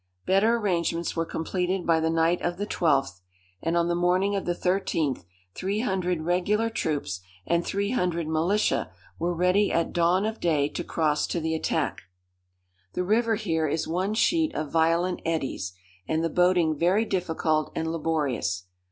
Better arrangements were completed by the night of the 12th, and on the morning of the 13th, three hundred regular troops, and three hundred militia, were ready at dawn of day to cross to the attack. The river here is one sheet of violent eddies, and the boating very difficult and laborious.